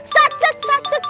sat sat sat sat